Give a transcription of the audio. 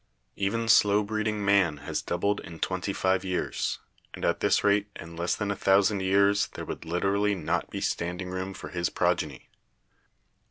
Even slow breeding man has doubled in twenty five years, and at this rate in less than a thousand years there would literally not be standing room for his progeny.